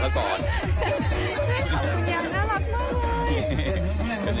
การขอบคุณยายนะน่ารักมากเลย